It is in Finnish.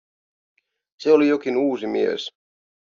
Se oli jokin uusi mies.